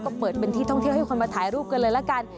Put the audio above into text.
ก็เปิดเป็นที่ท่องเที่ยวให้คนมาถ่ายรูปกันเลยละกัน